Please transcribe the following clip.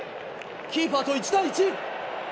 キーパーと１対１。